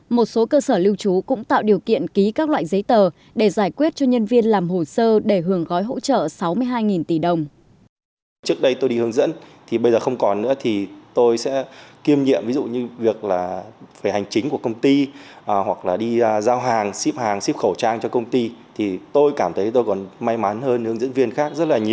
một số cơ sở lưu trú cũng tạo điều kiện ký các loại giấy tờ để giải quyết cho nhân viên làm hồ sơ để hưởng gói hỗ trợ sáu mươi hai tỷ đồng